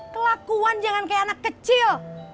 kelakuan jangan kayak anak kecil